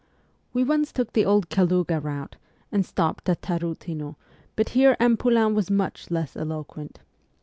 We once took the old Kaluga route, and stopped at Tariitino ; but here M. Poulain was much less eloquent.